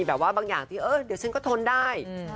แต่ว่าบางอย่างที่เดี๋ยวฉันก็ทนได้